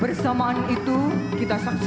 bersamaan itu kita saksikan